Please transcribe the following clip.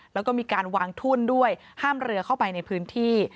แล้วก็มีการวางทุ่นด้วยห้ามเรือเข้าไปในพื้นที่